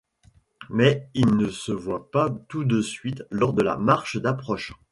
Mais, il ne se voit pas tout de suite lors de la marche d'approche.